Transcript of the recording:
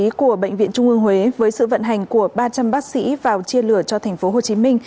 tổ chức của bệnh viện trung ương huế với sự vận hành của ba trăm linh bác sĩ vào chia lửa cho tp hcm